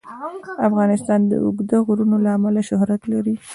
افغانستان د اوږده غرونه له امله شهرت لري.